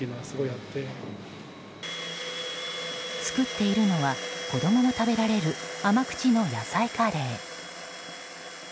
作っているのは子供も食べられる甘口の野菜カレー。